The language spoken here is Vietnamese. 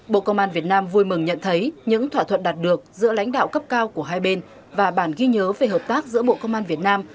bộ công an việt nam vui mừng nhận thấy những thỏa thuận đạt được giữa lãnh đạo cấp cao của hai bên và bản ghi nhớ về hợp tác giữa bộ công an việt nam